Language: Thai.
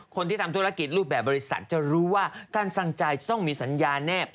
คนที่ทำธุรกิจรูปแบบบริษัทจะรู้ว่าการสั่งจ่ายจะต้องมีสัญญาแนบ